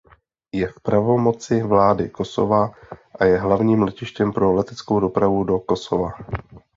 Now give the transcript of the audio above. Je v pravomoci Vlády Kosova a je hlavním letištěm pro leteckou dopravu do Kosova.